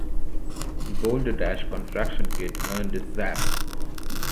The Boulder Dash Construction Kit earned a Zzap!